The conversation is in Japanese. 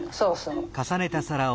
そうそう。